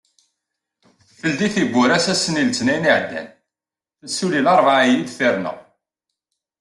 Telditiwwura-as ass-nni n letnayen iɛeddan, tessuli larebɛa-agi deffir-neɣ.